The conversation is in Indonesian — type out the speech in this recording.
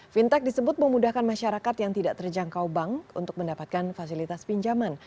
fintech disebut memudahkan masyarakat yang tidak terjangkau bank untuk mendapatkan fasilitas pinjaman